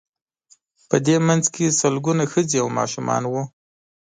په دې منځ کې سلګونه ښځې او ماشومان وو.